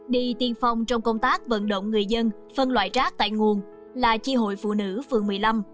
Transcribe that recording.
đi tiên phong trong công tác vận động người dân phân loại rác tại nguồn là chi hội phụ nữ phường một mươi năm